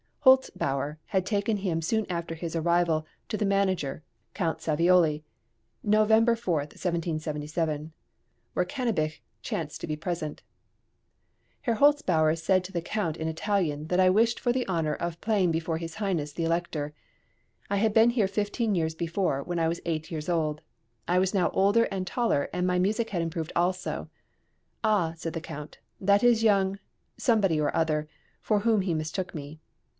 Holz bauer had taken him soon after his arrival to the manager, Count Savioli (November 4, 1777),where Cannabich chanced to be present: Herr Holzbauer said to the Count in Italian that I wished for the honour of playing before his Highness the Elector: I had been here fifteen years before, when I was eight years old; I was now older and taller, and my music had improved also. "Ah," said the Count, "that is young ," somebody or other for whom he mistook me.